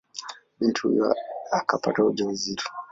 Binti huyo akapata ujauzito.